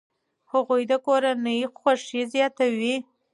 هغوی د کورنۍ خوښي زیاتوي.